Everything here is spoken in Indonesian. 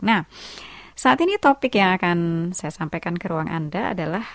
nah saat ini topik yang akan saya sampaikan ke ruang anda adalah